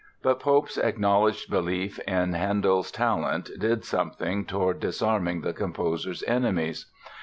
But Pope's acknowledged belief in Handel's "talent" did something toward disarming the composer's enemies.